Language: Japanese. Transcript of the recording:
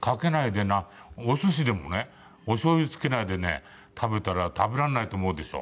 お寿司でもねお醤油つけないでね食べたら食べられないと思うでしょ？